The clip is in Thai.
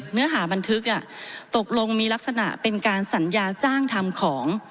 เนื้อหาบันทึกตกลงมีลักษณะเป็นการสัญญาจ้างทำของ